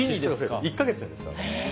１か月ですから。